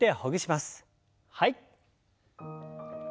はい。